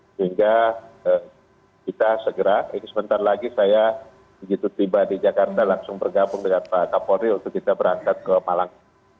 sehingga kita segera ini sebentar lagi saya begitu tiba di jakarta langsung bergabung dengan pak kapolri untuk kita berangkat ke malang